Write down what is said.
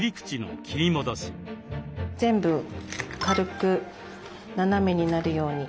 全部軽く斜めになるように。